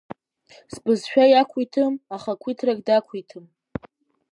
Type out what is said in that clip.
Збызшәа иақәиҭым ахақәиҭрагь дақәиҭым.